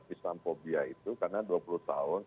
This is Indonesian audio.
islamophobia itu karena dua puluh tahun